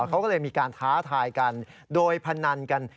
เขาก็เลยมีการท้าทายกันโดยพนันกัน